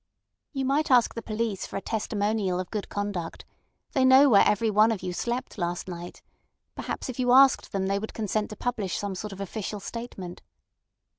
"You might ask the police for a testimonial of good conduct. They know where every one of you slept last night. Perhaps if you asked them they would consent to publish some sort of official statement."